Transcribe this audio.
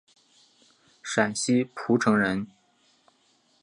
陕西蒲城人。